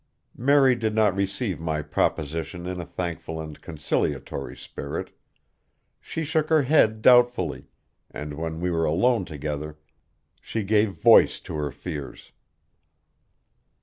Mary did not receive my proposition in a thankful and conciliatory spirit. She shook her head doubtfully, and when we were alone together, she gave voice to her fears.